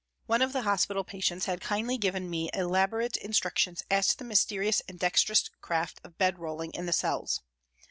One of the hospital patients had kindly given me elaborate instructions as to the mysterious and dexterous craft of bed rolling in the cells.